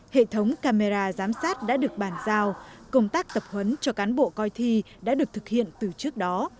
hệ thống camera giám sát đã được bàn giao công tác tập huấn cho cán bộ coi thi đã được thực hiện từ trước đó